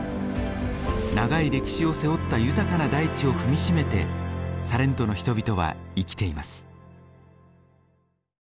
長い歴史を背負った豊かな大地を踏みしめてサレントの人々は生きています。